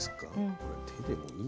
これ手でもいいのかな。